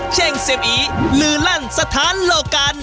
เช็งซิมอี้หลืนรั่งสถานโลกัน